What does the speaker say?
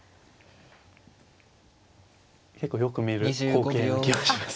結構よく見る光景の気はします